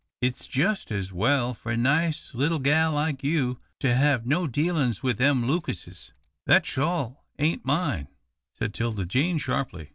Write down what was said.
It's jus' as well for a nice little gal like you to hev no dealin's with them Lucases." "That shawl ain't mine," said 'Tilda Jane, sharply.